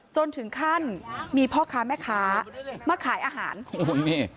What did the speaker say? จนถึงขั้นมีพ่อค้าแม่ค้ามาขายอาหารโอ้โหนี่